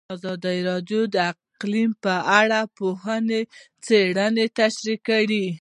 ازادي راډیو د اقلیم په اړه د پوهانو څېړنې تشریح کړې.